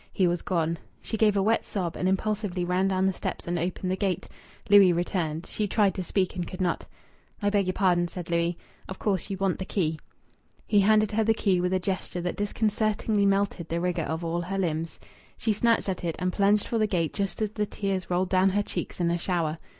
He was gone. She gave a wet sob and impulsively ran down the steps and opened the gate. Louis returned. She tried to speak and could not. "I beg your pardon," said Louis. "Of course you want the key." He handed her the key with a gesture that disconcertingly melted the rigour of all her limbs. She snatched at it, and plunged for the gate just as the tears rolled down her cheeks in a shower.